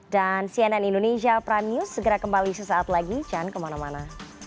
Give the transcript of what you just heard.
dan cnn indonesia prime news segera kembali sesaat lagi jangan kemana mana